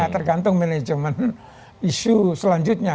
tergantung manajemen isu selanjutnya